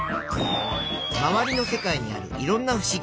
まわりの世界にあるいろんなふしぎ。